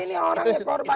ini orangnya korban